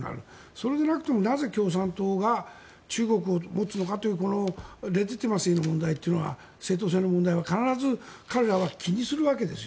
それでなくてもなぜ共産党が中国を持つのかというこのレディティマシーの問題というのは正統性の問題は彼らは必ず気にするわけです。